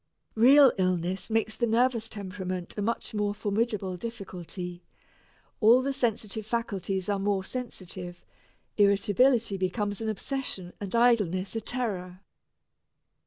Real illness makes the nervous temperament a much more formidable difficulty all the sensitive faculties are more sensitive irritability becomes an obsession and idleness a terror.